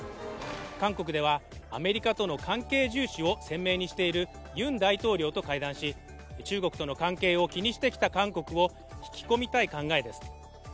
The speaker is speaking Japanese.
韓国では、アメリカとの関係重視を鮮明にしているユン大統領と会談し、中国との関係を気にしてきた韓国を引き込みたい考えです。